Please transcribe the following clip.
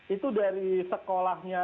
itu dari sekolahnya